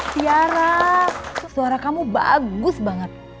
tiara suara kamu bagus banget